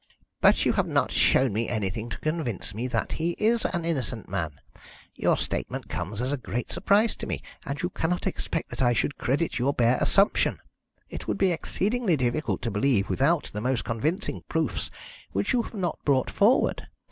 "But you have not shown me anything to convince me that he is an innocent man. Your statement comes as a great surprise to me, and you cannot expect that I should credit your bare assumption. It would be exceedingly difficult to believe without the most convincing proofs, which you have not brought forward.